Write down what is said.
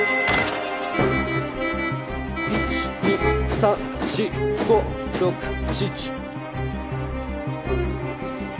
１２３４５６７。